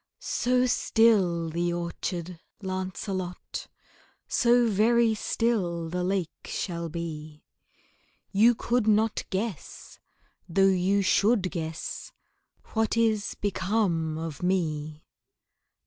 So still the orchard, Lancelot, So very still the lake shall be, You could not guess though you should guess What is become of me.